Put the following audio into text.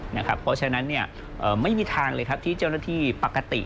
เพราะฉะนั้นไม่มีทางเลยครับที่เจ้าหน้าที่ปกติ